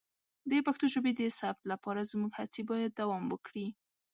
د پښتو ژبې د ثبت لپاره زموږ هڅې باید دوام وکړي.